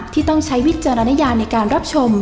ต้องใช้วิจารณญาในการรับชม